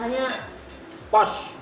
kayaknya asli kelimantan kebetulan